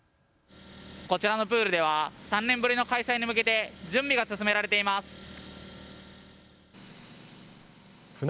こちらのプールでは３年ぶりの開催に向けて準備が進められています。